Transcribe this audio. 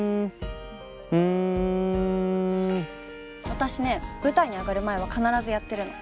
私ね舞台に上がる前は必ずやってるの。